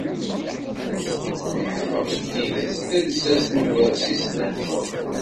Lḥeqq akked tidet, d llsas n ukersi-s n leḥkem.